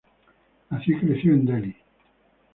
Nació y creció en Delhi.